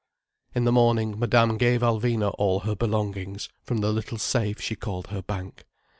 In the morning Madame gave Alvina all her belongings, from the little safe she called her bank.